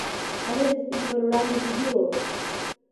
هغه د سستي پر وړاندې جدي و.